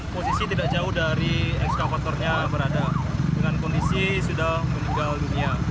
posisi tidak jauh dari ekskavatornya berada dengan kondisi sudah meninggal dunia